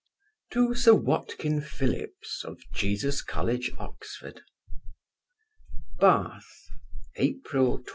To Sir WATKIN PHILLIPS, of Jesus college, Oxon. BATH, April 24.